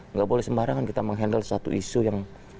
nggak boleh sembarangan kita menghandle satu isu yang